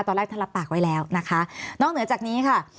ตอนแรกท่านรับปากไว้แล้วนะคะนอกเหนือจากนี้ค่ะ